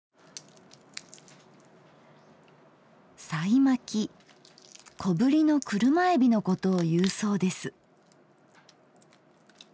さいまき小ぶりの車えびのことをいうそうです。